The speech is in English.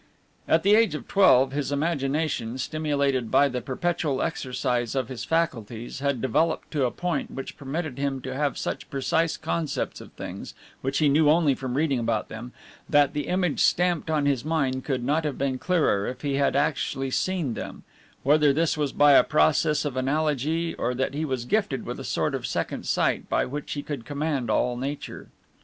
At the age of twelve his imagination, stimulated by the perpetual exercise of his faculties, had developed to a point which permitted him to have such precise concepts of things which he knew only from reading about them, that the image stamped on his mind could not have been clearer if he had actually seen them, whether this was by a process of analogy or that he was gifted with a sort of second sight by which he could command all nature.